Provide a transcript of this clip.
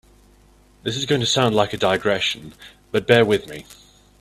This is going to sound like a digression, but bear with me.